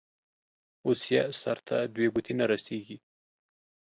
اوس يې سر ته دوې گوتي نه رسېږي.